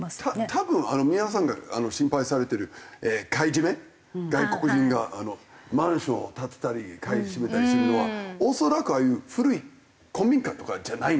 多分皆さんが心配されてる買い占め外国人がマンションを建てたり買い占めたりするのは恐らくああいう古い古民家とかじゃないんですよ。